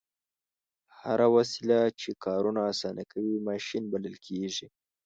هره وسیله چې کارونه اسانه کوي ماشین بلل کیږي.